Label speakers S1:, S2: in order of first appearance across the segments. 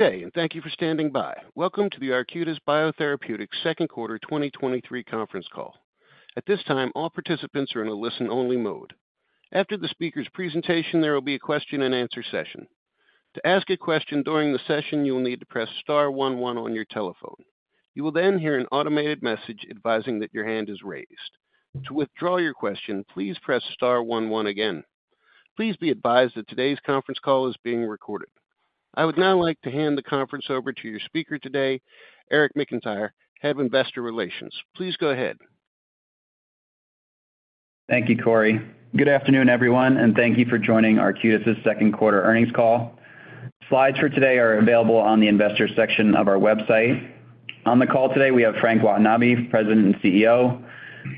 S1: Good day, and thank you for standing by. Welcome to the Arcutis Biotherapeutics second quarter 2023 conference call. At this time, all participants are in a listen-only mode. After the speaker's presentation, there will be a question-and-answer session. To ask a question during the session, you will need to press star 11 on your telephone. You will then hear an automated message advising that your hand is raised. To withdraw your question, please press star 11 again. Please be advised that today's conference call is being recorded. I would now like to hand the conference over to your speaker today, Eric McIntyre, Head of Investor Relations. Please go ahead.
S2: Thank you, Corey. Good afternoon, everyone, and thank you for joining Arcutis's second quarter earnings call. Slides for today are available on the investor section of our website. On the call today, we have Frank Watanabe, President and CEO;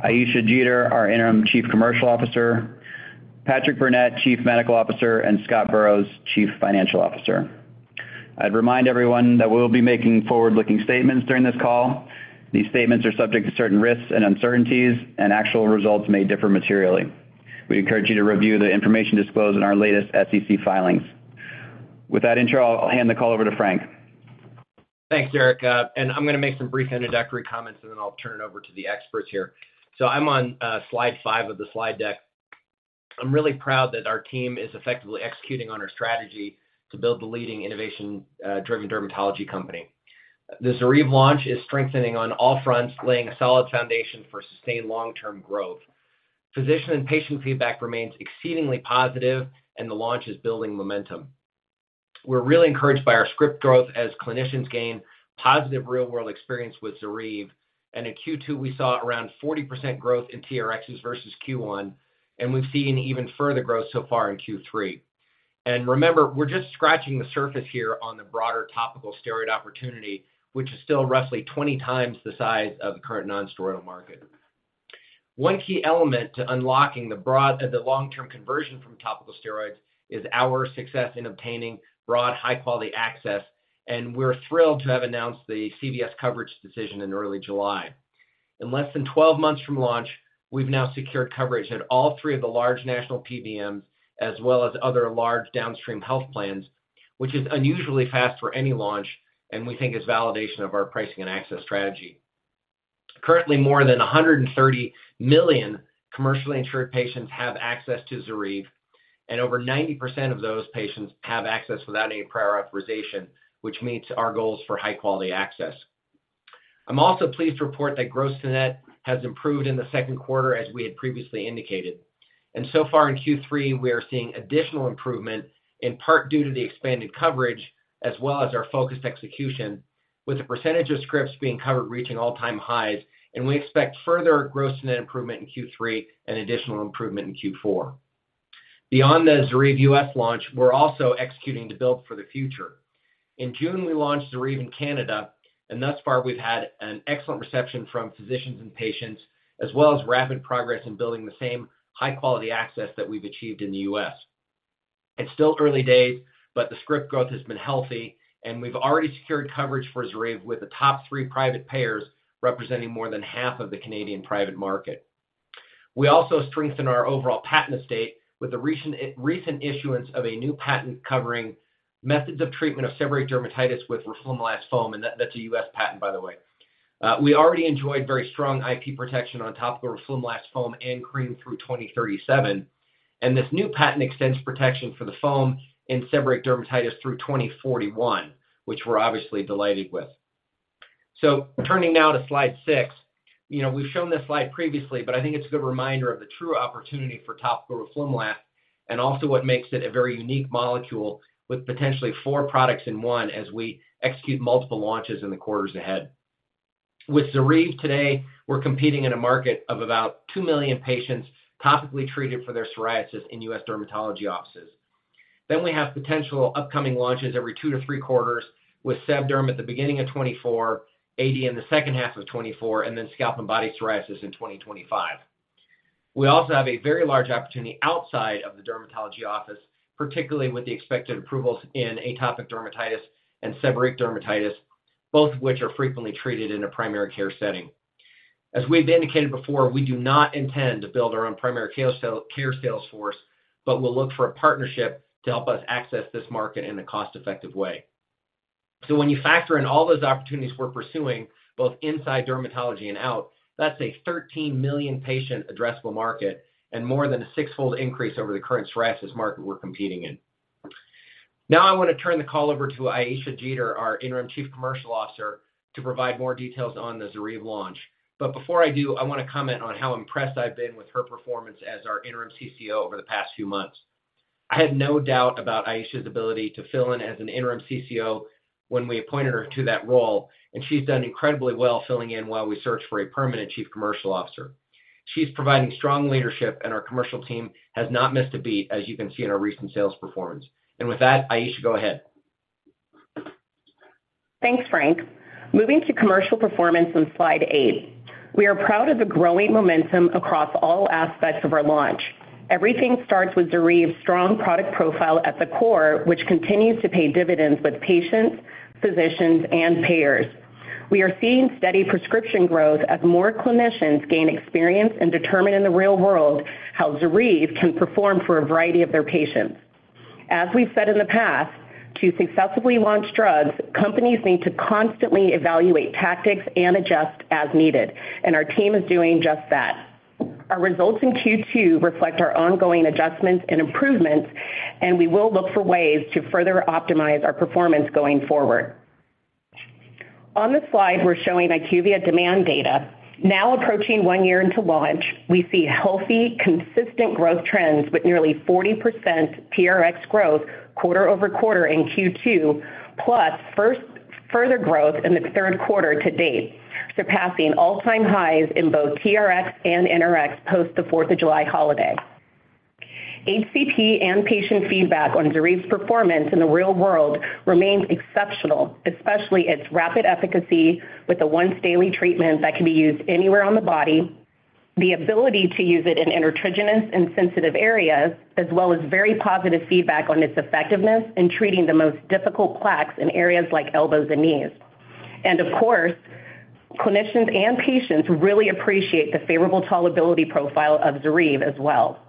S2: Ayisha Jeter, our Interim Chief Commercial Officer; Patrick Burnett, Chief Medical Officer; and Scott Burrows, Chief Financial Officer. I'd remind everyone that we will be making forward-looking statements during this call. These statements are subject to certain risks and uncertainties, and actual results may differ materially. We encourage you to review the information disclosed in our latest SEC filings. With that intro, I'll hand the call over to Frank.
S3: Thanks, Eric. I'm going to make some brief introductory comments, and then I'll turn it over to the experts here. I'm on slide five of the slide deck. I'm really proud that our team is effectively executing on our strategy to build the leading innovation driven dermatology company. The ZORYVE launch is strengthening on all fronts, laying a solid foundation for sustained long-term growth. Physician and patient feedback remains exceedingly positive, and the launch is building momentum. We're really encouraged by our script growth as clinicians gain positive real-world experience with ZORYVE, and in Q2, we saw around 40% growth in TRXs versus Q1, and we've seen even further growth so far in Q3. Remember, we're just scratching the surface here on the broader topical steroid opportunity, which is still roughly 20 times the size of the current nonsteroidal market. One key element to unlocking the long-term conversion from topical steroids is our success in obtaining broad, high-quality access, and we're thrilled to have announced the CVS coverage decision in early July. In less than 12 months from launch, we've now secured coverage at all three of the large national PBMs, as well as other large downstream health plans, which is unusually fast for any launch and we think is validation of our pricing and access strategy. Currently, more than 130 million commercially insured patients have access to ZORYVE, and over 90% of those patients have access without any prior authorization, which meets our goals for high-quality access. I'm also pleased to report that gross-to-net has improved in the second quarter, as we had previously indicated. So far in Q3, we are seeing additional improvement, in part due to the expanded coverage, as well as our focused execution, with the percentage of scripts being covered reaching all-time highs. We expect further gross-to-net improvement in Q3 and additional improvement in Q4. Beyond the ZORYVE US launch, we're also executing to build for the future. In June, we launched ZORYVE in Canada, and thus far, we've had an excellent reception from physicians and patients, as well as rapid progress in building the same high-quality access that we've achieved in the US. It's still early days, but the script growth has been healthy, and we've already secured coverage for ZORYVE with the top three private payers, representing more than half of the Canadian private market. We also strengthened our overall patent estate with the recent, recent issuance of a new patent covering methods of treatment of seborrheic dermatitis with roflumilast foam, and that, that's a US patent, by the way. We already enjoyed very strong IP protection on topical roflumilast foam and cream through 2037, and this new patent extends protection for the foam in seborrheic dermatitis through 2041, which we're obviously delighted with. Turning now to slide 6. You know, we've shown this slide previously, I think it's a good reminder of the true opportunity for topical roflumilast and also what makes it a very unique molecule with potentially four products in one as we execute multiple launches in the quarters ahead. With ZORYVE today, we're competing in a market of about two million patients topically treated for their psoriasis in US dermatology offices. We have potential upcoming launches every two-three quarters, with seb derm at the beginning of 2024, AD in the second half of 2024, and then scalp and body psoriasis in 2025. We also have a very large opportunity outside of the dermatology office, particularly with the expected approvals in atopic dermatitis and seborrheic dermatitis, both of which are frequently treated in a primary care setting. As we've indicated before, we do not intend to build our own primary care sales force, but we'll look for a partnership to help us access this market in a cost-effective way. When you factor in all those opportunities we're pursuing, both inside dermatology and out, that's a 13 million patient addressable market and more than a six-fold increase over the current psoriasis market we're competing in. Now, I want to turn the call over to Ayisha Jeter, our Interim Chief Commercial Officer, to provide more details on the ZORYVE launch. Before I do, I want to comment on how impressed I've been with her performance as our interim CCO over the past few months. I had no doubt about Aisha's ability to fill in as an interim CCO when we appointed her to that role, and she's done incredibly well filling in while we search for a permanent chief commercial officer. She's providing strong leadership, and our commercial team has not missed a beat, as you can see in our recent sales performance. With that, Aisha, go ahead.
S4: Thanks, Frank. Moving to commercial performance on slide eight. We are proud of the growing momentum across all aspects of our launch. Everything starts with ZORYVE's strong product profile at the core, which continues to pay dividends with patients, physicians, and payers. We are seeing steady prescription growth as more clinicians gain experience and determine in the real world how ZORYVE can perform for a variety of their patients. As we've said in the past, to successfully launch drugs, companies need to constantly evaluate tactics and adjust as needed. Our team is doing just that. Our results in Q2 reflect our ongoing adjustments and improvements. We will look for ways to further optimize our performance going forward. On this slide, we're showing IQVIA demand data. Now approaching one year into launch, we see healthy, consistent growth trends with nearly 40% PRX growth quarter-over-quarter in Q2, plus further growth in Q3 to date, surpassing all-time highs in both TRX and NRX post the Fourth of July holiday. HCP and patient feedback on ZORYVE's performance in the real world remains exceptional, especially its rapid efficacy with a once-daily treatment that can be used anywhere on the body, the ability to use it in intertriginous and sensitive areas, as well as very positive feedback on its effectiveness in treating the most difficult plaques in areas like elbows and knees. Of course, clinicians and patients really appreciate the favorable tolerability profile of ZORYVE as well.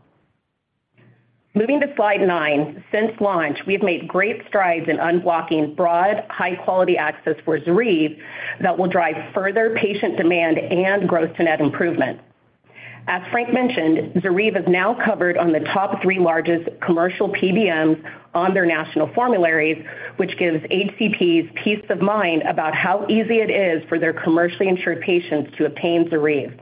S4: Moving to slide nine, since launch, we have made great strides in unblocking broad, high-quality access for ZORYVE that will drive further patient demand and growth to net improvement. As Frank mentioned, ZORYVE is now covered on the top three largest commercial PBMs on their national formularies, which gives HCPs peace of mind about how easy it is for their commercially insured patients to obtain ZORYVE.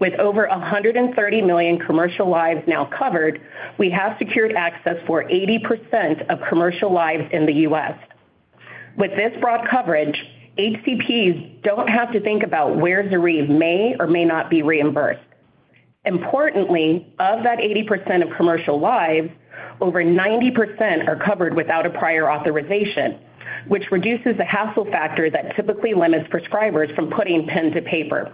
S4: With over 130 million commercial lives now covered, we have secured access for 80% of commercial lives in the US. With this broad coverage, HCPs don't have to think about where ZORYVE may or may not be reimbursed. Importantly, of that 80% of commercial lives, over 90% are covered without a prior authorization, which reduces the hassle factor that typically limits prescribers from putting pen to paper.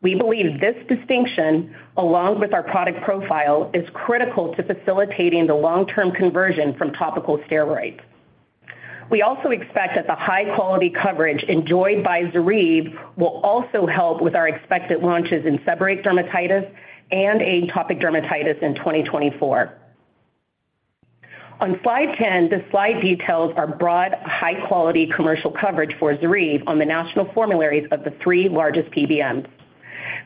S4: We believe this distinction, along with our product profile, is critical to facilitating the long-term conversion from topical steroids. We also expect that the high-quality coverage enjoyed by ZORYVE will also help with our expected launches in seborrheic dermatitis and atopic dermatitis in 2024. On slide 10, this slide details our broad, high-quality commercial coverage for ZORYVE on the national formularies of the three largest PBMs.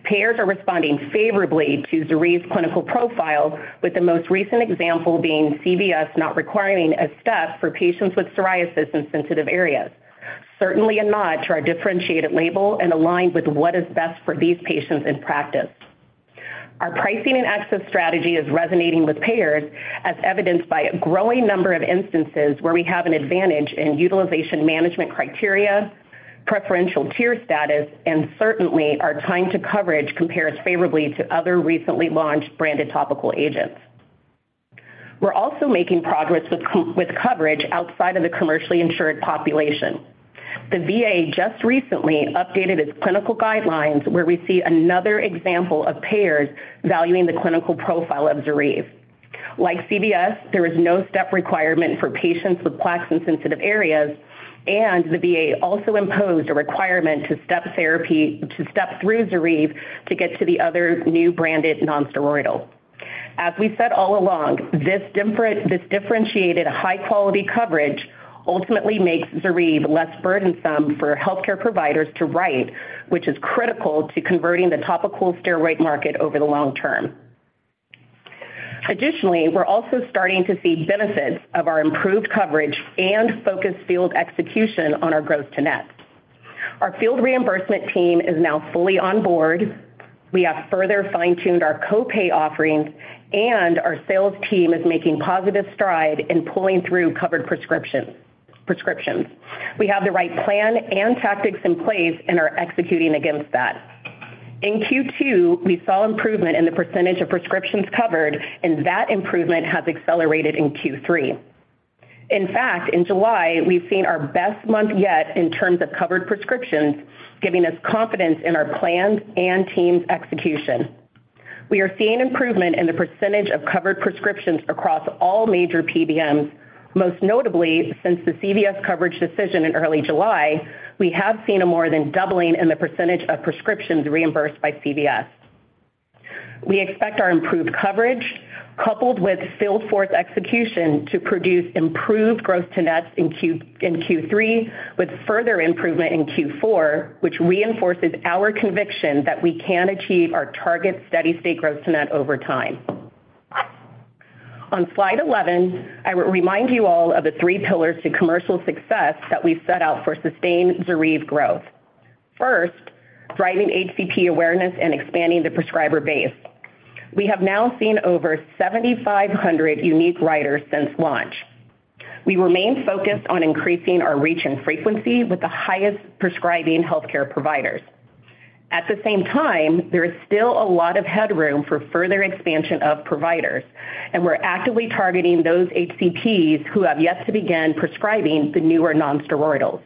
S4: Payers are responding favorably to ZORYVE's clinical profile, with the most recent example being CVS not requiring a step for patients with psoriasis in sensitive areas. Certainly a nod to our differentiated label and aligned with what is best for these patients in practice. Our pricing and access strategy is resonating with payers, as evidenced by a growing number of instances where we have an advantage in utilization management criteria, preferential tier status, and certainly our time to coverage compares favorably to other recently launched branded topical agents. We're also making progress with coverage outside of the commercially insured population. The VA just recently updated its clinical guidelines, where we see another example of payers valuing the clinical profile of ZORYVE. Like CVS, there is no step requirement for patients with plaques in sensitive areas, the VA also imposed a requirement to step through ZORYVE to get to the other new branded non-steroidals. As we said all along, this differentiated high-quality coverage ultimately makes ZORYVE less burdensome for healthcare providers to write, which is critical to converting the topical steroid market over the long term. We're also starting to see benefits of our improved coverage and focused field execution on our gross-to-net. Our field reimbursement team is now fully on board. We have further fine-tuned our co-pay offerings, our sales team is making positive stride in pulling through covered prescriptions. We have the right plan and tactics in place and are executing against that. In Q2, we saw improvement in the percentage of prescriptions covered, that improvement has accelerated in Q3. In fact, in July, we've seen our best month yet in terms of covered prescriptions, giving us confidence in our plans and teams' execution. We are seeing improvement in the percentage of covered prescriptions across all major PBMs, most notably since the CVS coverage decision in early July, we have seen a more than doubling in the percentage of prescriptions reimbursed by CVS. We expect our improved coverage, coupled with field force execution, to produce improved growth to nets in Q3, with further improvement in Q4, which reinforces our conviction that we can achieve our target steady-state growth to net over time. On slide 11, I will remind you all of the three pillars to commercial success that we've set out for sustained ZORYVE growth. First, driving HCP awareness and expanding the prescriber base. We have now seen over 7,500 unique writers since launch. We remain focused on increasing our reach and frequency with the highest prescribing healthcare providers. At the same time, there is still a lot of headroom for further expansion of providers, and we're actively targeting those HCPs who have yet to begin prescribing the newer non-steroidals.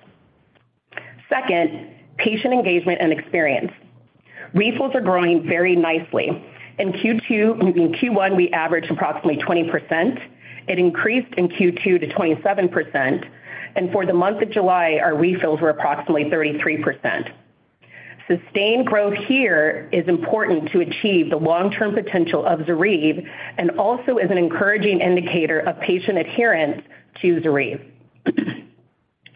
S4: Second, patient engagement and experience. Refills are growing very nicely. In Q1, we averaged approximately 20%. It increased in Q2 to 27%, and for the month of July, our refills were approximately 33%. Sustained growth here is important to achieve the long-term potential of ZORYVE, and also is an encouraging indicator of patient adherence to ZORYVE.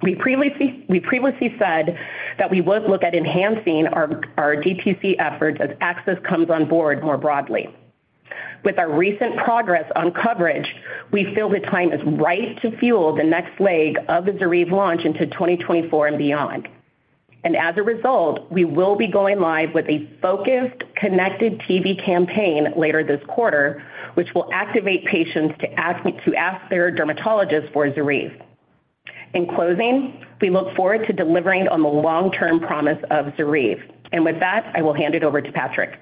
S4: We previously said that we would look at enhancing our DTC efforts as access comes on board more broadly. With our recent progress on coverage, we feel the time is right to fuel the next leg of the ZORYVE launch into 2024 and beyond. As a result, we will be going live with a focused, connected TV campaign later this quarter, which will activate patients to ask their dermatologists for ZORYVE. In closing, we look forward to delivering on the long-term promise of ZORYVE. With that, I will hand it over to Patrick.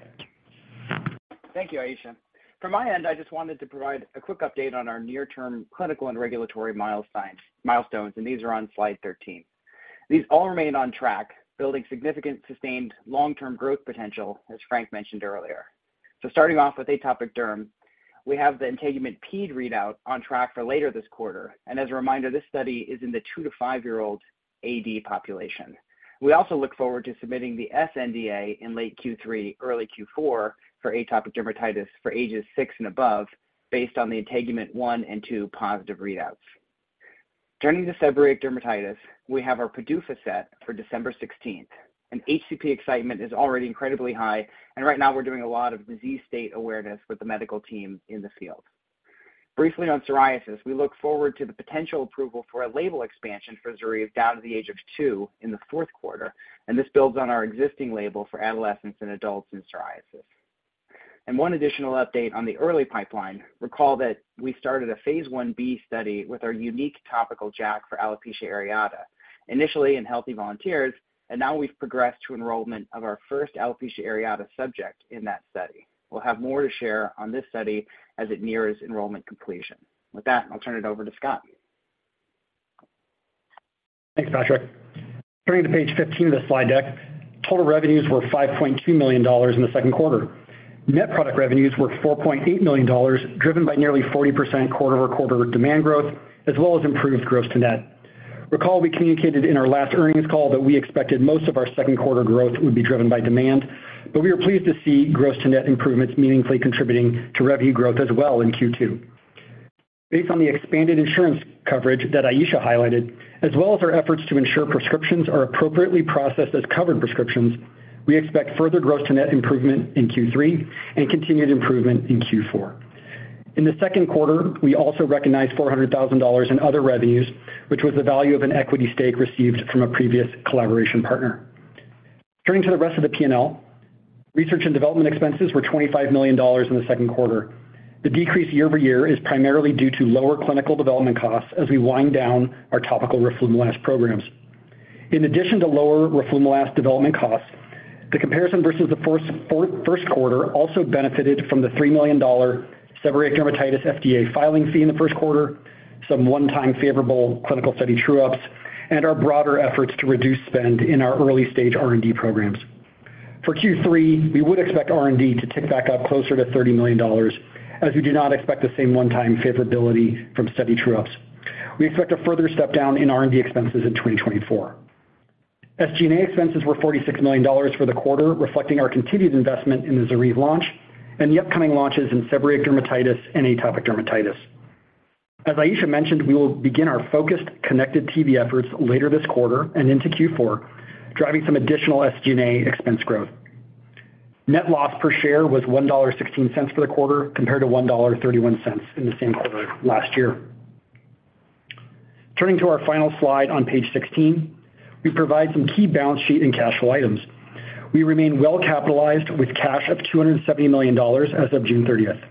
S5: Thank you, Aisha. From my end, I just wanted to provide a quick update on our near-term clinical and regulatory milestones. These are on slide 13. These all remain on track, building significant, sustained long-term growth potential, as Frank mentioned earlier. Starting off with atopic derm, we have the INTEGUMENT-PED readout on track for later this quarter. As a reminder, this study is in the two to five-year-old AD population. We also look forward to submitting the sNDA in late Q3, early Q4 for atopic dermatitis for ages six and above, based on the INTEGUMENT-1 and 2 positive readouts. Turning to seborrheic dermatitis, we have our PDUFA set for December 16th, and HCP excitement is already incredibly high, and right now we're doing a lot of disease state awareness with the medical team in the field. Briefly on psoriasis, we look forward to the potential approval for a label expansion for ZORYVE down to the age of two in the fourth quarter. This builds on our existing label for adolescents and adults in psoriasis. One additional update on the early pipeline, recall that we started a Phase 1b study with our unique topical JAK for alopecia areata, initially in healthy volunteers, and now we've progressed to enrollment of our first alopecia areata subject in that study. We'll have more to share on this study as it nears enrollment completion. With that, I'll turn it over to Scott.
S6: Thanks, Patrick. Turning to page 15 of the slide deck, total revenues were $5.2 million in the 2Q. Net product revenues were $4.8 million, driven by nearly 40% quarter-over-quarter demand growth, as well as improved gross-to-net. Recall, we communicated in our last earnings call that we expected most of our 2Q growth would be driven by demand, we are pleased to see gross-to-net improvements meaningfully contributing to revenue growth as well in Q2. Based on the expanded insurance coverage that Aisha highlighted, as well as our efforts to ensure prescriptions are appropriately processed as covered prescriptions, we expect further gross-to-net improvement in Q3 and continued improvement in Q4. In the 2Q, we also recognized $400,000 in other revenues, which was the value of an equity stake received from a previous collaboration partner. Turning to the rest of the P&L, research and development expenses were $25 million in the second quarter. The decrease year-over-year is primarily due to lower clinical development costs as we wind down our topical roflumilast programs. In addition to lower roflumilast development costs, the comparison versus the first quarter also benefited from the $3 million seborrheic dermatitis FDA filing fee in the first quarter, some one-time favorable clinical study true-ups, and our broader efforts to reduce spend in our early-stage R&D programs. For Q3, we would expect R&D to tick back up closer to $30 million, as we do not expect the same one-time favorability from study true-ups. We expect a further step down in R&D expenses in 2024. SG&A expenses were $46 million for the quarter, reflecting our continued investment in the ZORYVE launch and the upcoming launches in seborrheic dermatitis and atopic dermatitis. As Aisha mentioned, we will begin our focused, connected TV efforts later this quarter and into Q4, driving some additional SG&A expense growth. Net loss per share was $1.16 for the quarter, compared to $1.31 in the same quarter last year. Turning to our final slide on page 16, we provide some key balance sheet and cash flow items. We remain well capitalized with cash of $270 million as of June 30th.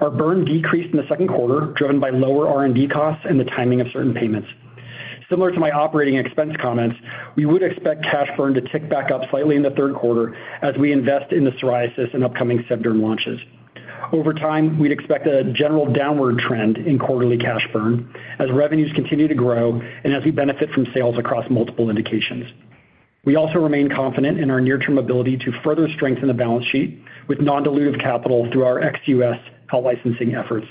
S6: Our burn decreased in the second quarter, driven by lower R&D costs and the timing of certain payments. Similar to my operating expense comments, we would expect cash burn to tick back up slightly in the third quarter as we invest in the psoriasis and upcoming seb derm launches. Over time, we'd expect a general downward trend in quarterly cash burn as revenues continue to grow and as we benefit from sales across multiple indications. We also remain confident in our near-term ability to further strengthen the balance sheet with non-dilutive capital through our ex-US co-licensing efforts.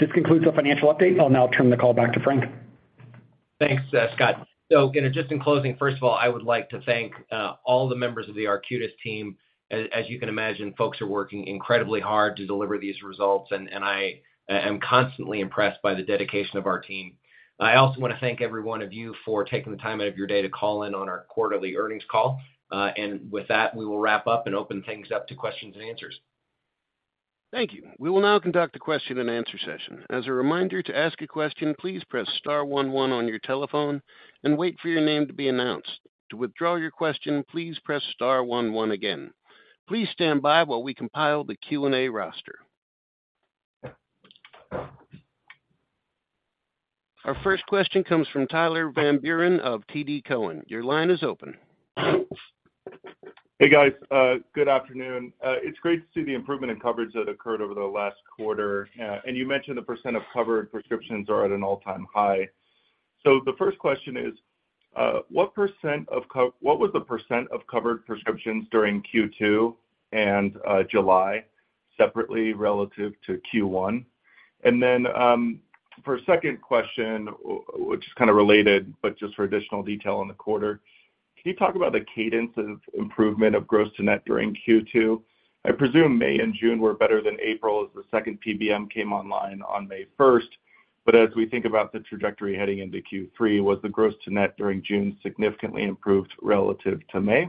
S6: This concludes the financial update. I'll now turn the call back to Frank.
S4: Thanks, Scott. Again, just in closing, first of all, I would like to thank all the members of the Arcutis team. As you can imagine, folks are working incredibly hard to deliver these results, and I am constantly impressed by the dedication of our team. I also want to thank every one of you for taking the time out of your day to call in on our quarterly earnings call. With that, we will wrap up and open things up to questions and answers.
S1: Thank you. We will now conduct a question-and-answer session. As a reminder, to ask a question, please press star one one on your telephone and wait for your name to be announced. To withdraw your question, please press star one one again. Please stand by while we compile the Q&A roster. Our first question comes from Tyler Van Buren of TD Cowen. Your line is open.
S5: Hey, guys, good afternoon. It's great to see the improvement in coverage that occurred over the last quarter. You mentioned the % of covered prescriptions are at an all-time high.
S7: The first question is, what percent of what was the percent of covered prescriptions during Q2 and July, separately relative to Q1? Then, for a second question, which is kind of related, but just for additional detail on the quarter, can you talk about the cadence of improvement of gross-to-net during Q2? I presume May and June were better than April as the second PBM came online on 1st May As we think about the trajectory heading into Q3, was the gross-to-net during June significantly improved relative to May?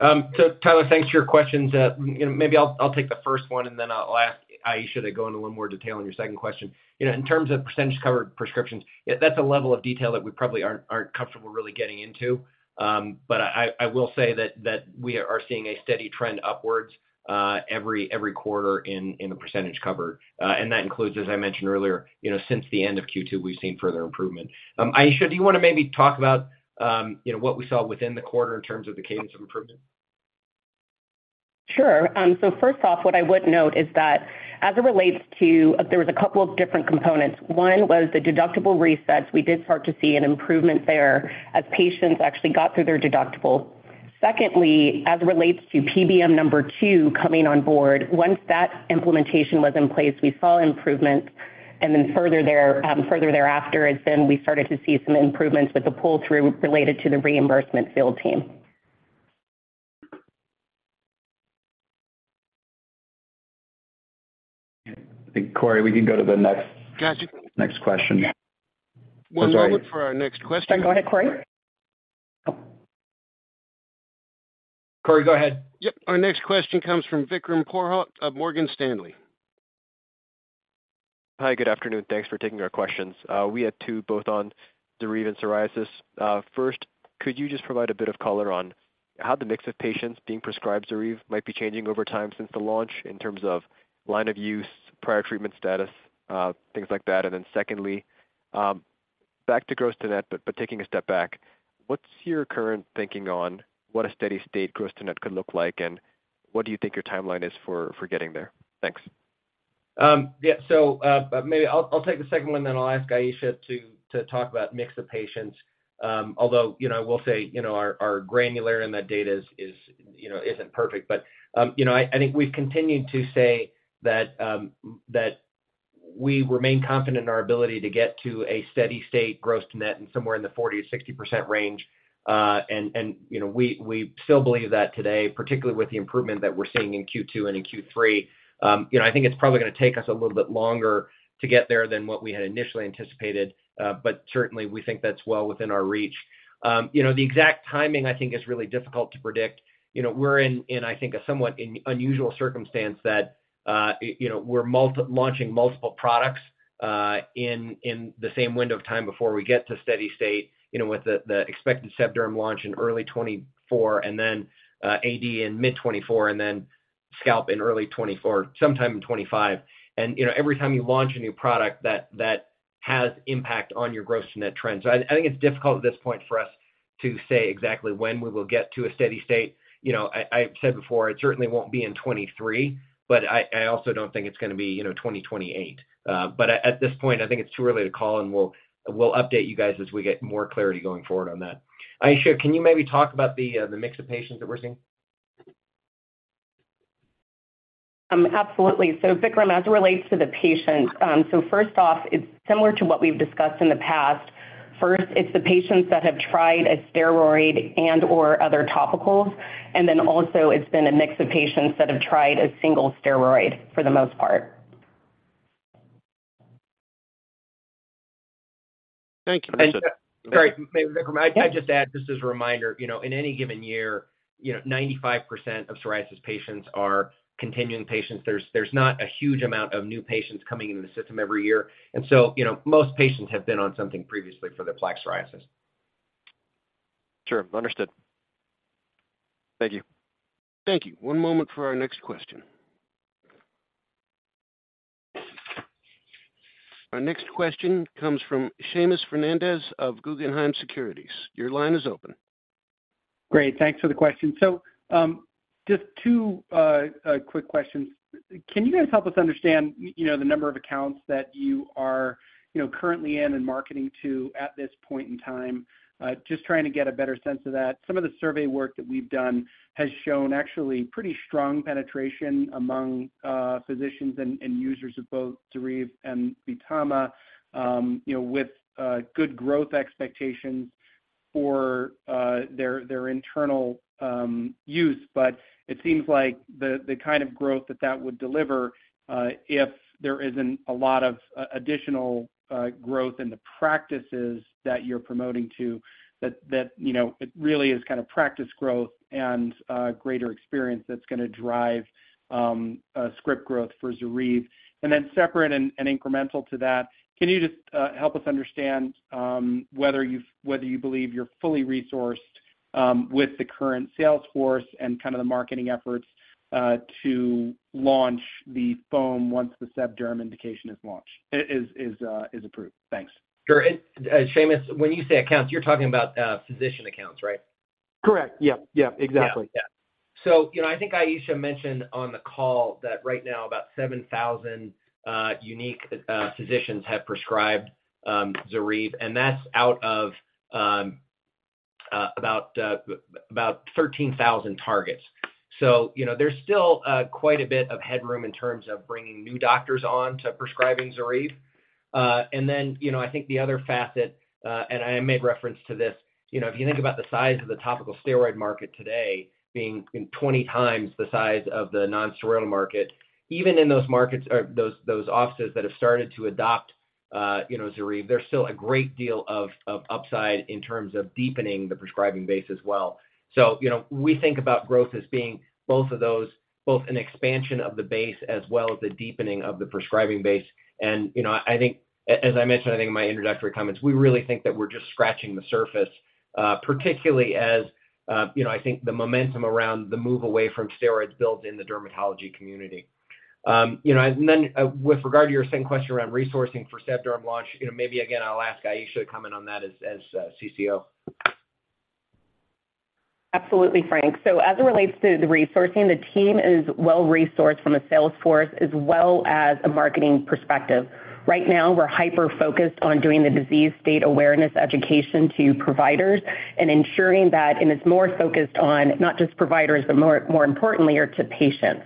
S3: Tyler, thanks for your questions. You know, maybe I'll take the first one, and then I'll ask Aisha to go into a little more detail on your second question. You know, in terms of percentage covered prescriptions, that's a level of detail that we probably aren't, aren't comfortable really getting into. I will say that we are seeing a steady trend upwards every quarter in the percentage covered. That includes, as I mentioned earlier, you know, since the end of Q2, we've seen further improvement. Ayisha, do you want to maybe talk about, you know, what we saw within the quarter in terms of the cadence of improvement?
S4: Sure. First off, what I would note is that as it relates to, there was a couple of different components. One was the deductible resets. We did start to see an improvement there as patients actually got through their deductible. Secondly, as it relates to PBM number two coming on board, once that implementation was in place, we saw improvements. Further there, further thereafter, then we started to see some improvements with the pull-through related to the reimbursement field team.
S1: I think, Corey, we can go to the next- Got you. Next question. One moment for our next question.
S4: Go ahead, Corey.
S3: Corey, go ahead.
S1: Yep. Our next question comes from Vikram Purohit of Morgan Stanley.
S8: Hi, good afternoon. Thanks for taking our questions. We had two, both on ZORYVE and psoriasis. First, could you just provide a bit of color on how the mix of patients being prescribed ZORYVE might be changing over time since the launch in terms of line of use, prior treatment status, things like that? Then secondly, back to gross-to-net, but taking a step back, what's your current thinking on what a steady state gross-to-net could look like, and what do you think your timeline is for, for getting there? Thanks.
S3: Yeah. Maybe I'll, take the second one, then I'll ask Ayisha to, to talk about mix of patients. Although, you know, I will say, you know, our, our granularity in that data is, is, you know, isn't perfect. You know, I, I think we've continued to say that, that we remain confident in our ability to get to a steady state gross-to-net and somewhere in the 40%-60% range. You know, we, we still believe that today, particularly with the improvement that we're seeing in Q2 and in Q3. You know, I think it's probably gonna take us a little bit longer to get there than what we had initially anticipated, but certainly, we think that's well within our reach. You know, the exact timing, I think, is really difficult to predict. You know, we're in, in, I think, a somewhat in unusual circumstance that, you know, we're launching multiple products in, in the same window of time before we get to steady state, you know, with the, the expected seb derm launch in early 2024, and then, AD in mid 2024, and then scalp in early 2024, sometime in 2025. You know, every time you launch a new product, that, that has impact on your gross-to-net trends. I, I think it's difficult at this point for us to say exactly when we will get to a steady state. You know I've said before, it certainly won't be in 2023, but I also don't think it's gonna be, you know, 2028. At, at this point, I think it's too early to call, and we'll, we'll update you guys as we get more clarity going forward on that. Aisha, can you maybe talk about the, the mix of patients that we're seeing?
S4: absolutely. Vikram, as it relates to the patients, first off, it's similar to what we've discussed in the past. It's the patients that have tried a steroid and or other topicals, and then also it's been a mix of patients that have tried a single steroid for the most part.
S8: Thank you.
S3: Sorry, Vikram, I, I'd just add just as a reminder, you know, in any given year, you know, 95% of psoriasis patients are continuing patients. There's, there's not a huge amount of new patients coming into the system every year. So, you know, most patients have been on something previously for their plaque psoriasis.
S8: Sure. Understood. Thank you.
S1: Thank you. One moment for our next question. Our next question comes from Seamus Fernandez of Guggenheim Securities. Your line is open.
S9: Great. Thanks for the question. Just two quick questions. Can you guys help us understand, you know, the number of accounts that you are, you know, currently in and marketing to at this point in time? Just trying to get a better sense of that. Some of the survey work that we've done has shown actually pretty strong penetration among physicians and users of both ZORYVE and VTAMA, you know, with good growth expectations for their internal use. It seems like the kind of growth that that would deliver, if there isn't a lot of additional growth in the practices that you're promoting to, that, that, you know, it really is kind of practice growth and greater experience that's gonna drive script growth for ZORYVE. Separate and, and incremental to that, can you just help us understand whether you've whether you believe you're fully resourced with the current sales force and kind of the marketing efforts to launch the foam once the seb derm indication is launched, is, is, is approved? Thanks.
S3: Sure. Seamus, when you say accounts, you're talking about physician accounts, right? Correct. Yep, yep, exactly. Yeah. You know, I think Aisha mentioned on the call that right now, about 7,000 unique physicians have prescribed ZORYVE, and that's out of about 13,000 targets. You know, there's still quite a bit of headroom in terms of bringing new doctors on to prescribing ZORYVE. You know, I think the other facet, and I made reference to this, you know, if you think about the size of the topical steroid market today being 20 times the size of the nonsteroidal market, even in those markets or those, those offices that have started to adopt, you know, ZORYVE, there's still a great deal of upside in terms of deepening the prescribing base as well. You know, we think about growth as being both of those, both an expansion of the base as well as a deepening of the prescribing base. You know, I think, as I mentioned, I think in my introductory comments, we really think that we're just scratching the surface, particularly as, you know, I think the momentum around the move away from steroids builds in the dermatology community. You know, and then, with regard to your same question around resourcing for seb derm launch, you know, maybe again, I'll ask Aisha to comment on that as, as, CCO.
S10: Absolutely, Frank. As it relates to the resourcing, the team is well-resourced from a sales force as well as a marketing perspective. Right now, we're hyper-focused on doing the disease state awareness education to providers and ensuring that, and it's more focused on not just providers, but more, more importantly, are to patients.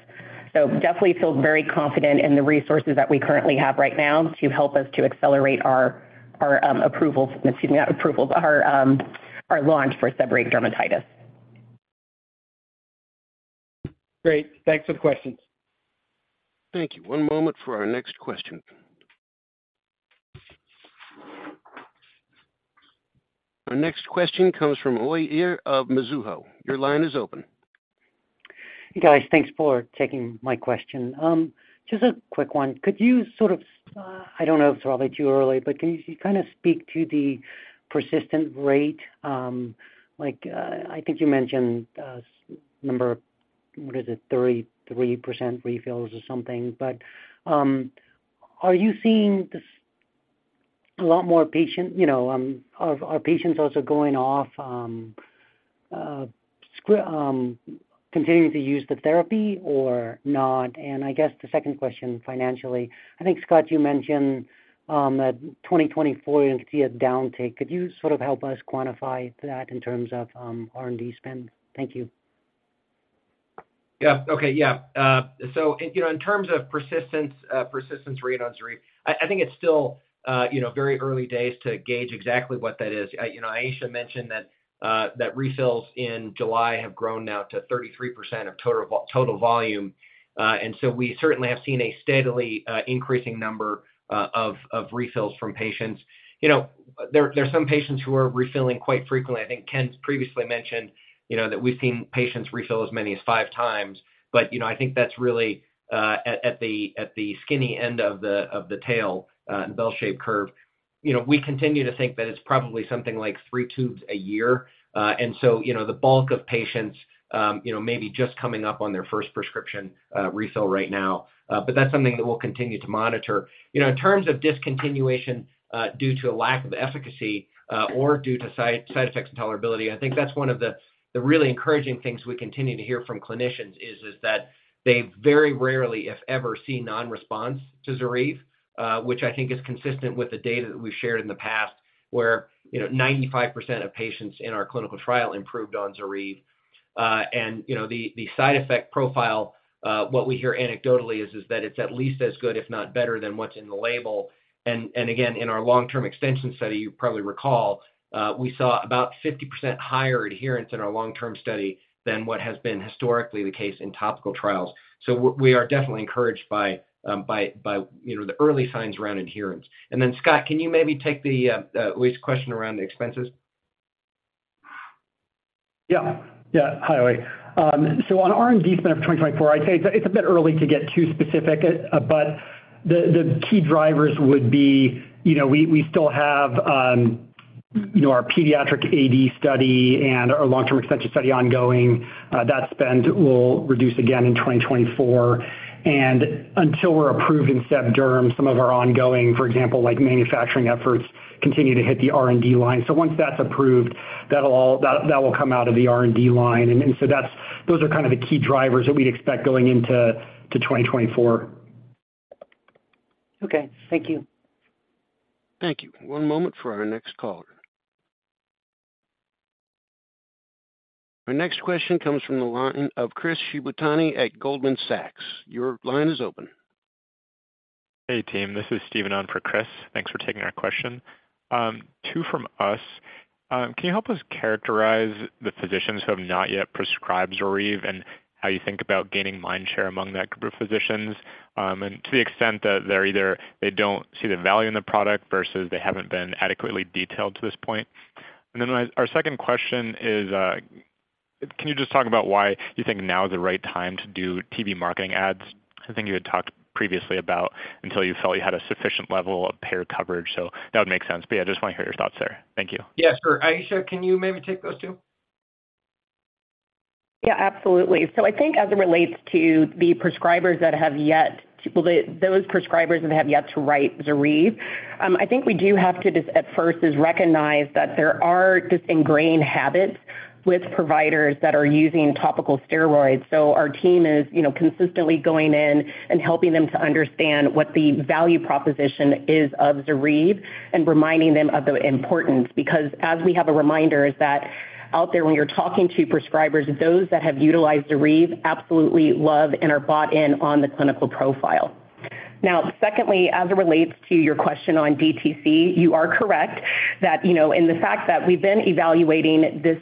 S10: Definitely feel very confident in the resources that we currently have right now to help us to accelerate our approval, excuse me, not approvals, our launch for seborrheic dermatitis.
S3: Great. Thanks for the questions.
S1: Thank you. One moment for our next question. Our next question comes from Uy Ear of Mizuho. Your line is open.
S11: Hey, guys. Thanks for taking my question. just a quick one. Could you sort of, I don't know if it's probably too early, but can you kind of speak to the persistent rate? like, I think you mentioned, number what is it, 33% refills or something. Are you seeing this a lot more patient, you know, are, are patients also going off, script, continuing to use the therapy or not? I guess the second question, financially, I think, Scott, you mentioned, that 2024, you can see a downtake. Could you sort of help us quantify that in terms of, R&D spend? Thank you.
S3: Yeah. Okay, yeah. You know, in terms of persistence, persistence rate on ZORYVE, I, I think it's still, you know, very early days to gauge exactly what that is. You know, Aisha mentioned that refills in July have grown now to 33% of total vol-total volume. We certainly have seen a steadily increasing number of refills from patients. You know, there, there are some patients who are refilling quite frequently. I think Ken previously mentioned, you know, that we've seen patients refill as many as five times. You know, I think that's really at, at the, at the skinny end of the, of the tail in bell-shaped curve. You know, we continue to think that it's probably something like three tubes a year. You know, the bulk of patients, you know, maybe just coming up on their first prescription, refill right now. That's something that we'll continue to monitor. You know, in terms of discontinuation, due to a lack of efficacy, or due to side, side effects and tolerability, I think that's one of the, the really encouraging things we continue to hear from clinicians is, is that they very rarely, if ever, see non-response to ZORYVE, which I think is consistent with the data that we've shared in the past, where, you know, 95% of patients in our clinical trial improved on ZORYVE. You know, the, the side effect profile, what we hear anecdotally is, is that it's at least as good, if not better, than what's in the label. Again, in our long-term extension study, you probably recall, we saw about 50% higher adherence in our long-term study than what has been historically the case in topical trials. We, we are definitely encouraged by... you know, the early signs around adherence. Then, Scott, can you maybe take the Uy Ear's question around the expenses?
S6: Yeah. Yeah. Hi, Uy. On R&D spend of 2024, I'd say it's a bit early to get too specific, but the key drivers would be, you know, we still have, you know, our pediatric AD study and our long-term extension study ongoing. That spend will reduce again in 2024. Until we're approved in seb derm, some of our ongoing, for example, like manufacturing efforts, continue to hit the R&D line. Once that's approved, that will come out of the R&D line. Those are kind of the key drivers that we'd expect going into 2024.
S11: Okay. Thank you.
S1: Thank you. One moment for our next caller. Our next question comes from the line of Chris Shibutani at Goldman Sachs. Your line is open.
S10: Hey, team, this is Steven on for Chris. Thanks for taking our question. two from us. Can you help us characterize the physicians who have not yet prescribed ZORYVE and how you think about gaining mind share among that group of physicians? To the extent that they're either, they don't see the value in the product versus they haven't been adequately detailed to this point. Then our second question is, can you just talk about why you think now is the right time to do TV marketing ads? I think you had talked previously about until you felt you had a sufficient level of payer coverage, so that would make sense. Yeah, I just want to hear your thoughts there. Thank you.
S3: Yes, sure. Ayisha, can you maybe take those two?
S4: Yeah, absolutely. I think as it relates to the prescribers that have well, those prescribers that have yet to write ZORYVE, I think we do have to just at first is recognize that there are just ingrained habits with providers that are using topical steroids. Our team is, you know, consistently going in and helping them to understand what the value proposition is of ZORYVE and reminding them of the importance. As we have a reminder, is that out there, when you're talking to prescribers, those that have utilized ZORYVE absolutely love and are bought in on the clinical profile. Secondly, as it relates to your question on DTC, you are correct that, you know, and the fact that we've been evaluating this,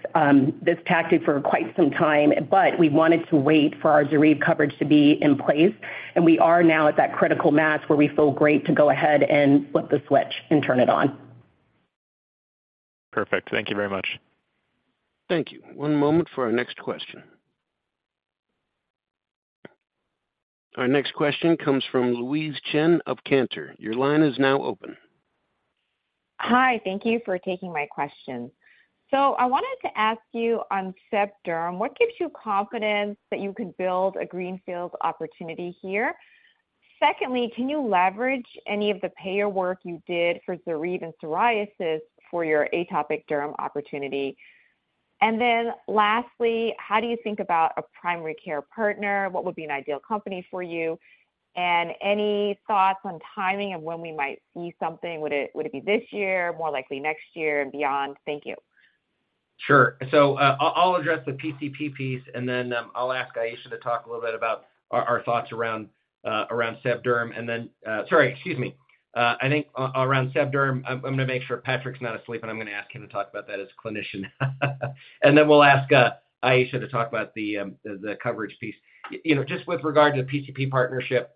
S4: this tactic for quite some time. We wanted to wait for our ZORYVE coverage to be in place, We are now at that critical mass where we feel great to go ahead and flip the switch and turn it on.
S10: Perfect. Thank you very much.
S1: Thank you. One moment for our next question. Our next question comes from Louise Chen of Cantor. Your line is now open.
S12: Hi, thank you for taking my question. I wanted to ask you on seb derm, what gives you confidence that you can build a greenfield opportunity here? Secondly, can you leverage any of the payer work you did for ZORYVE and psoriasis for your atopic dermatitis opportunity? Then lastly, how do you think about a primary care partner? What would be an ideal company for you? Any thoughts on timing of when we might see something? Would it, would it be this year, more likely next year and beyond? Thank you.
S3: Sure. I'll address the PCP piece, and then, I'll ask Aisha to talk a little bit about our, our thoughts around, around sebderm, and then. Sorry, excuse me. I think around sebderm, I'm, I'm gonna make sure Patrick's not asleep, and I'm gonna ask him to talk about that as a clinician. Then we'll ask Ayisha to talk about the, the, the coverage piece. You know, just with regard to the PCP partnership,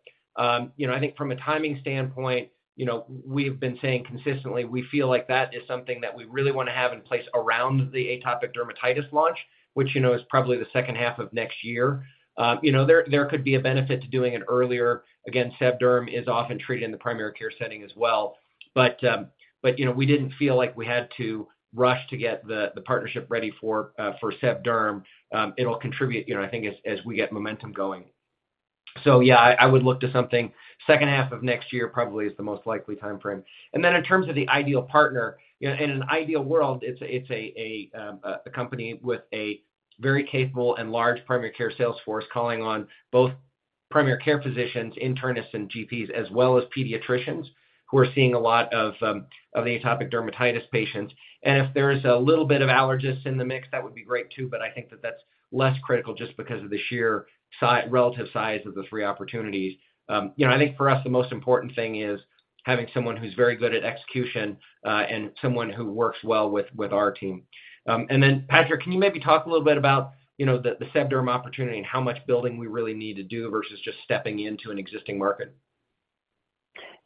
S3: you know, I think from a timing standpoint, you know, we've been saying consistently, we feel like that is something that we really wanna have in place around the atopic dermatitis launch, which, you know, is probably the second half of next year. You know, there, there could be a benefit to doing it earlier. Again, seb derm is often treated in the primary care setting as well. You know, we didn't feel like we had to rush to get the, the partnership ready for seb derm. It'll contribute, you know, I think, as, as we get momentum going. Yeah, I, I would look to something second half of next year, probably is the most likely timeframe. Then in terms of the ideal partner, you know, in an ideal world, it's a, it's a company with a very capable and large primary care sales force, calling on both primary care physicians, internists and GPs, as well as pediatricians, who are seeing a lot of the atopic dermatitis patients. If there is a little bit of allergists in the mix, that would be great, too, but I think that that's less critical just because of the sheer relative size of the three opportunities. You know, I think for us, the most important thing is having someone who's very good at execution, and someone who works well with, with our team. Then, Patrick, can you maybe talk a little bit about, you know, the, the seb derm opportunity and how much building we really need to do versus just stepping into an existing market?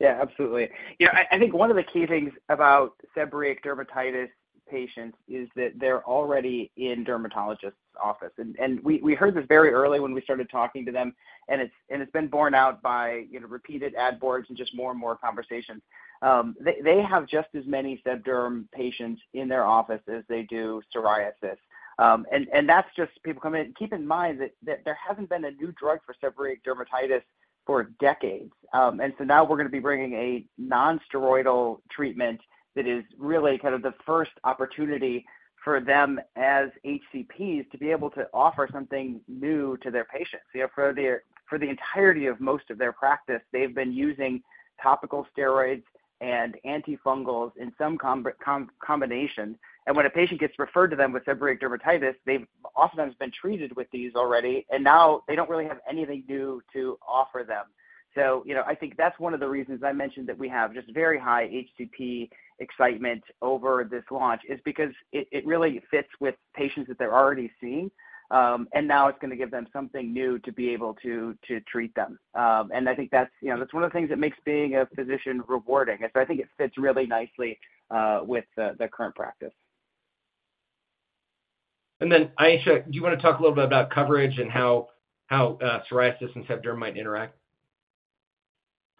S5: Yeah, absolutely. You know, I, I think one of the key things about seborrheic dermatitis patients is that they're already in dermatologist's office. We, we heard this very early when we started talking to them, and it's, and it's been borne out by, you know, repeated ad boards and just more and more conversations. They, they have just as many seb derm patients in their office as they do psoriasis. That's just people coming in. Keep in mind that, that there hasn't been a new drug for seborrheic dermatitis for decades. So now we're gonna be bringing a non-steroidal treatment that is really kind of the first opportunity for them as HCPs to be able to offer something new to their patients. You know, for the, for the entirety of most of their practice, they've been using topical steroids and antifungals in some combination, and when a patient gets referred to them with seborrheic dermatitis, they've oftentimes been treated with these already, and now they don't really have anything new to offer them. You know, I think that's one of the reasons I mentioned that we have just very high HCP excitement over this launch, is because it, it really fits with patients that they're already seeing, and now it's gonna give them something new to be able to, to treat them. I think that's, you know, that's one of the things that makes being a physician rewarding. I think it fits really nicely with the, the current practice.
S3: Aisha, do you wanna talk a little bit about coverage and how, how, psoriasis and sebderm might interact?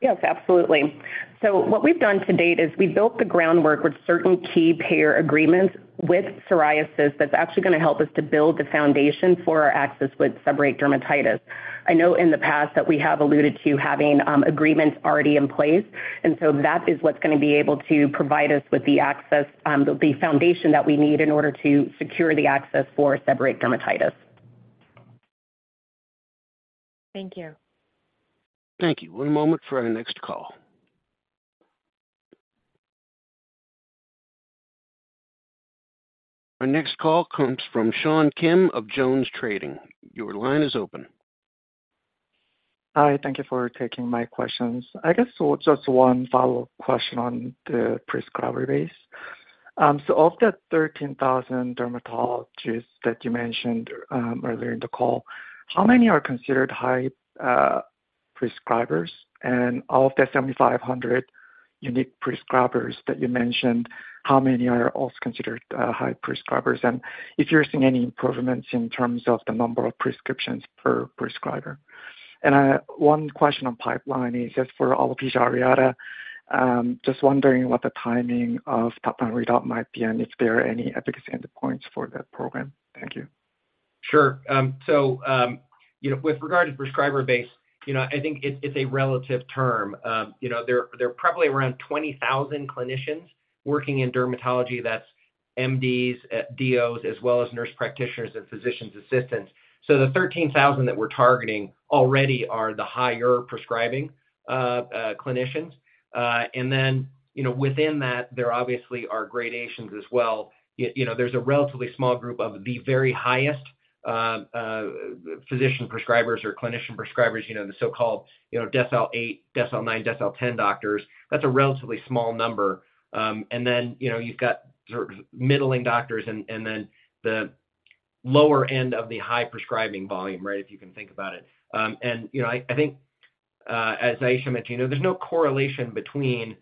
S4: Yes, absolutely. What we've done to date is we've built the groundwork with certain key payer agreements with psoriasis that's actually gonna help us to build the foundation for our access with seborrheic dermatitis. I know in the past that we have alluded to having agreements already in place, that is what's gonna be able to provide us with the access, the, the foundation that we need in order to secure the access for seborrheic dermatitis.
S12: Thank you.
S1: Thank you. One moment for our next call. Our next call comes from Sean Kim of JonesTrading. Your line is open.
S13: Hi, thank you for taking my questions. I guess so just one follow-up question on the prescriber base. So of the 13,000 dermatologists that you mentioned earlier in the call, how many are considered high prescribers? Of the 7,500 unique prescribers that you mentioned, how many are also considered high prescribers? If you're seeing any improvements in terms of the number of prescriptions per prescriber? One question on pipeline is just for alopecia areata. Just wondering what the timing of top-line readout might be, and if there are any efficacy endpoints for that program? Thank you.
S3: Sure. So, you know, with regard to prescriber base, you know, I think it's a relative term. You know, there are probably around 20,000 clinicians working in dermatology. That's MDs, DOs, as well as nurse practitioners and physicians assistants. The 13,000 that we're targeting already are the higher prescribing clinicians. Then, you know, within that, there obviously are gradations as well. You know, there's a relatively small group of the very highest physician prescribers or clinician prescribers, you know, the so-called, you know, decile eight, decile nine decile 10 doctors. That's a relatively small number. Then, you know, you've got sort of middling doctors and then the lower end of the high prescribing volume, right? If you can think about it. You know, I, I think, as Ayesha mentioned, you know, there's no correlation between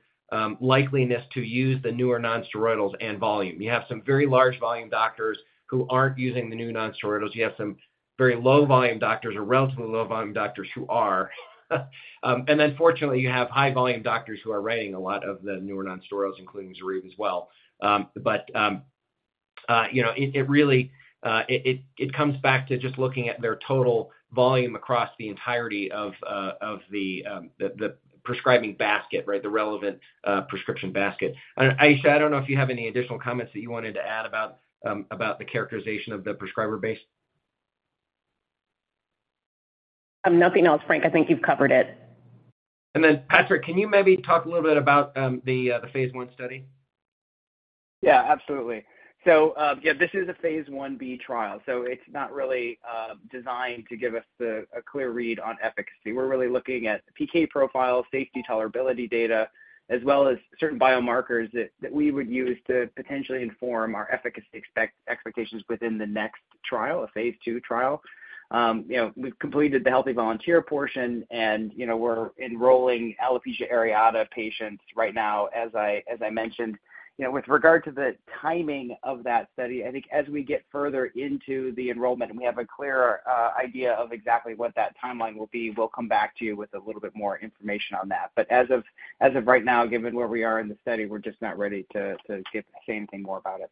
S3: likeliness to use the newer nonsteroidals and volume. You have some very large volume doctors who aren't using the new nonsteroidals. You have some very low volume doctors or relatively low volume doctors who are. Then fortunately, you have high volume doctors who are writing a lot of the newer nonsteroidals, including ZORYVE as well. You know, it, it really, it, it, it comes back to just looking at their total volume across the entirety of the, the, the prescribing basket, right? The relevant, prescription basket. Ayisha, I don't know if you have any additional comments that you wanted to add about about the characterization of the prescriber base.
S4: Nothing else, Frank, I think you've covered it.
S3: Patrick, can you maybe talk a little bit about the phase I study?
S5: Yeah, absolutely. Yeah, this is a Phase 1b trial, so it's not really designed to give us the a clear read on efficacy. We're really looking at PK profile, safety, tolerability data, as well as certain biomarkers that, that we would use to potentially inform our efficacy expectations within the next trial, a Phase 2 trial. You know, we've completed the healthy volunteer portion, and, you know, we're enrolling alopecia areata patients right now, as I mentioned. You know, with regard to the timing of that study, I think as we get further into the enrollment, and we have a clearer idea of exactly what that timeline will be, we'll come back to you with a little bit more information on that. As of, as of right now, given where we are in the study, we're just not ready to, to say anything more about it.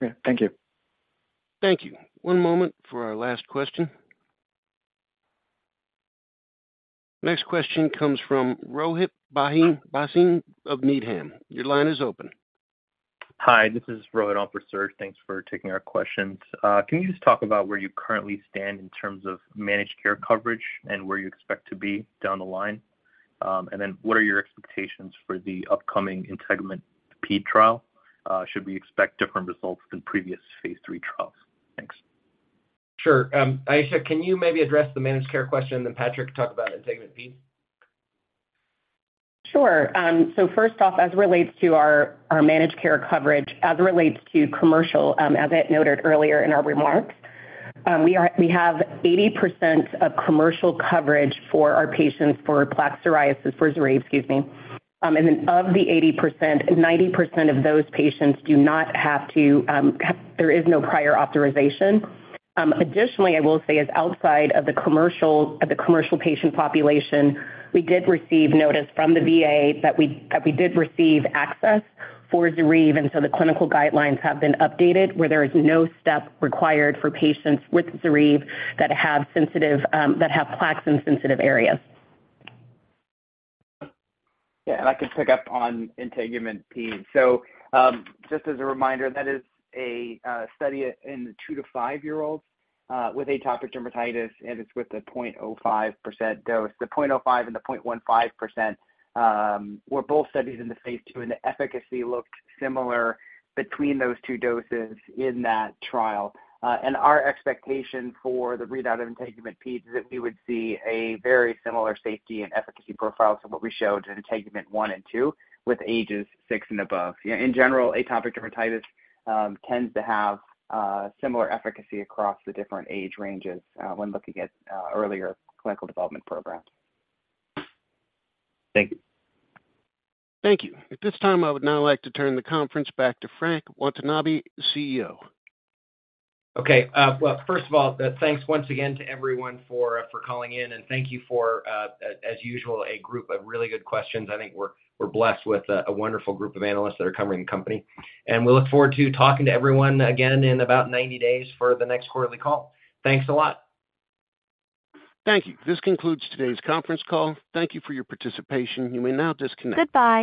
S13: Yeah. Thank you.
S1: Thank you. One moment for our last question. Next question comes from Rohit Bhasin of Needham. Your line is open.
S14: Hi, this is Rohit on for Serge. Thanks for taking our questions. Can you just talk about where you currently stand in terms of managed care coverage and where you expect to be down the line? And then what are your expectations for the upcoming INTEGUMENT-PED trial? Should we expect different results than previous Phase 3 trials? Thanks.
S3: Sure. Ayisha, can you maybe address the managed care question, and then Patrick, talk about INTEGUMENT-PED?
S4: Sure. So first off, as it relates to our, our managed care coverage, as it relates to commercial, as I noted earlier in our remarks, we have 80% of commercial coverage for our patients for plaque psoriasis, for ZORYVE, excuse me. Then of the 80%, 90% of those patients do not have to, there is no prior authorization. Additionally, I will say, as outside of the commercial, of the commercial patient population, we did receive notice from the VA that we, that we did receive access for ZORYVE, and so the clinical guidelines have been updated, where there is no step required for patients with ZORYVE that have sensitive, that have plaques in sensitive areas.
S5: Yeah, I can pick up on INTEGUMENT-PED. Just as a reminder, that is a study in two-five-year-olds with atopic dermatitis, and it's with the 0.05% dose. The 0.05% and the 0.15% were both studies in the Phase two, and the efficacy looked similar between those two doses in that trial. Our expectation for the readout of INTEGUMENT-PED is that we would see a very similar safety and efficacy profile to what we showed in INTEGUMENT-1 and INTEGUMENT-2, with ages six and above. Yeah, in general, atopic dermatitis tends to have similar efficacy across the different age ranges when looking at earlier clinical development programs.
S14: Thank you.
S1: Thank you. At this time, I would now like to turn the conference back to Frank Watanabe, CEO.
S3: Okay, well, first of all, thanks once again to everyone for calling in, and thank you for, as, as usual, a group of really good questions. I think we're, we're blessed with a wonderful group of analysts that are covering the company, and we look forward to talking to everyone again in about 90 days for the next quarterly call. Thanks a lot.
S1: Thank you. This concludes today's conference call. Thank you for your participation. You may now disconnect.
S4: Goodbye.